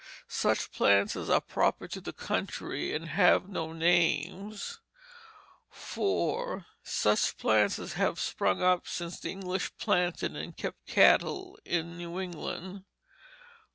Such plants as are proper to the country and have no names. "4. Such plants as have sprung up since the English planted and kept cattle in New England.